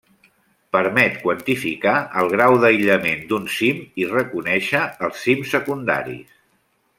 Permet quantificar el grau d'aïllament d'un cim i reconèixer els cims secundaris.